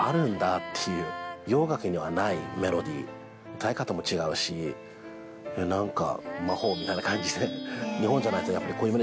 歌い方も違うし何か。